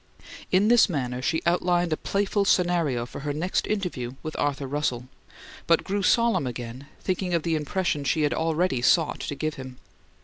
In this manner she outlined a playful scenario for her next interview with Arthur Russell; but grew solemn again, thinking of the impression she had already sought to give him.